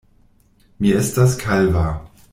Mi estas kalva.